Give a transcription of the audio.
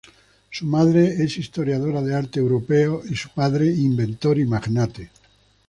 Su madre es historiadora de arte europeo y su padre inventor y magnate.